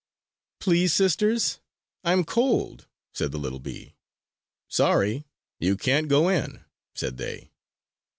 "Please, sisters, I am cold!" said the little bee. "Sorry! You can't go in!" said they.